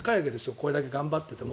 これだけ頑張ってても。